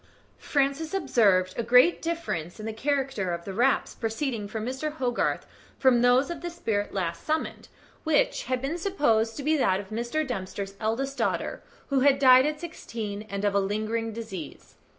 Francis observed a great difference in the character of the raps proceeding from Mr. Hogarth from those of the spirit last summoned, which had been supposed to be that of Mr. Dempster's eldest daughter, who had died at sixteen, and of a lingering disease.